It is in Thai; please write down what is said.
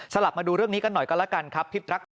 กลับมาดูเรื่องนี้กันหน่อยก็แล้วกันครับ